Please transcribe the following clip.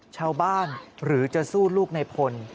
ชาวบ้านหรือจะสู้ลูกในพล